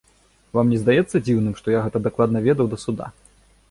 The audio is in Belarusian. Вам не здаецца дзіўным, што я гэта дакладна ведаў да суда?